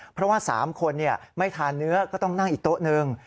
เพราะว่า๓คนไม่ทานเนื้อก็ต้องนั่งอีกโต๊ะหนึ่ง